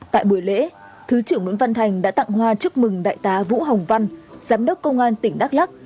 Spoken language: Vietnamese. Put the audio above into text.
tại buổi lễ thứ trưởng nguyễn văn thành đã tặng hoa chúc mừng đại tá vũ hồng văn giám đốc công an tỉnh đắk lắc